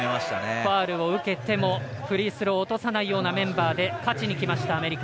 ファウルを受けてもフリースローを落とさないようなメンバーで勝ちにきました、アメリカ。